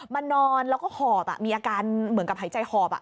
นอนแล้วก็หอบมีอาการเหมือนกับหายใจหอบ